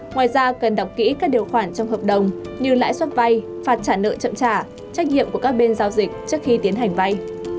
ngoài ra cần đọc kỹ các điều khoản trong hợp đồng như lãi suất vay phạt trả nợ chậm trả trách nhiệm của các bên giao dịch trước khi tiến hành vay